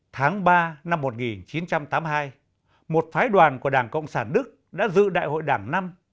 tháng ba năm một nghìn chín trăm tám mươi hai một phái đoàn của đảng cộng sản đức đã dự đại hội đảng năm